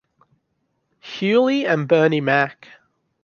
Hughley and Bernie Mac.